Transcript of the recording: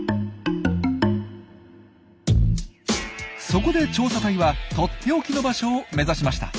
そこで調査隊はとっておきの場所を目指しました。